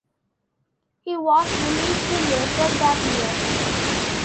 He was released later that year.